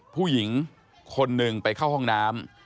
ผู้หญิงคนหนึ่งไปเข้าห้องน้ำ